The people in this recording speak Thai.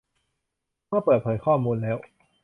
เมื่อเปิดเผยข้อมูลแล้ว